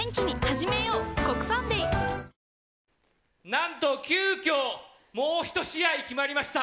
何と、急きょもう１試合決まりました！